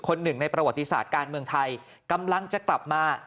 หนึ่งในประวัติศาสตร์การเมืองไทยกำลังจะกลับมา